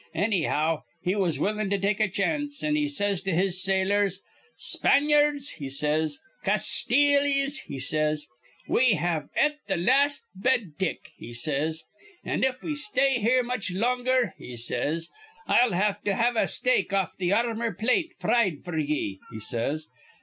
Annyhow, he was willin' to take a chance; an' he says to his sailors: 'Spanyards,' he says, 'Castiles,' he says, 'we have et th' las' bed tick,' he says; 'an', if we stay here much longer,' he says, 'I'll have to have a steak off th' armor plate fried f'r ye,' he says.